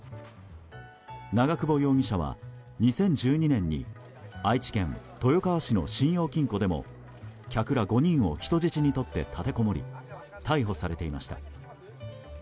長久保容疑者は２０１２年に愛知県豊川市の信用金庫でも客ら５人を人質に取って立てこもり逮捕されていました。